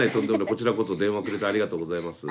こちらこそ電話くれてありがとうございます。